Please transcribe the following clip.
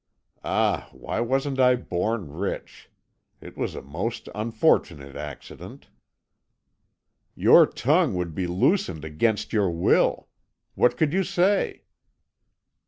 Ah, why wasn't I born rich? It was a most unfortunate accident." "Your tongue would be loosened against your will! What could you say?"